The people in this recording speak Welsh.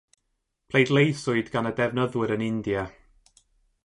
Pleidleisiwyd gan y defnyddwyr yn India.